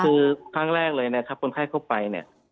คือครั้งแรกเลยนะครับคนไข้ทั่วไปเนี่ย